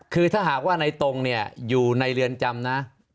คือถ้าหากว่าในตรงเนี่ยอยู่ในเรือนจำนะ